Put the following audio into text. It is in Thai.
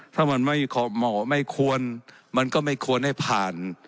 ถ้ามันไม่เหมาะไม่ควรมันก็ไม่ควรให้ผ่าน